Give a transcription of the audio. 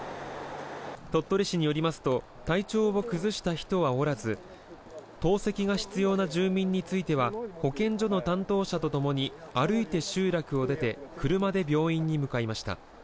鳥取市によりますと、体調を崩した人はおらず、透析が必要な住民については、保健所の担当者と共に歩いて集落を出て車で病院に向かいました。